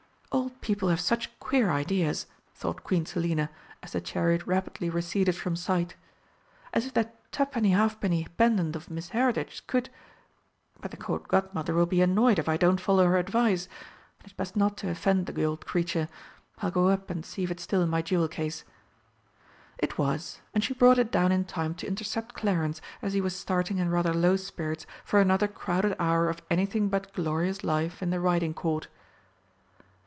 "Old people have such queer ideas," thought Queen Selina, as the chariot rapidly receded from sight. "As if that twopenny halfpenny pendant of Miss Heritage's could but the Court Godmother will be annoyed if I don't follow her advice and it's best not to offend the old creature. I'll go up and see if it's still in my jewel case." It was, and she brought it down in time to intercept Clarence as he was starting in rather low spirits for another crowded hour of anything but glorious life in the Riding Court.